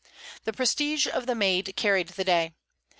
The prestige of the Maid carried the day.